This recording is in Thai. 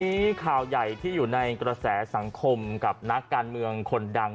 มีข่าวใหญ่ที่อยู่ในกระแสสังคมกับนักการเมืองคนดัง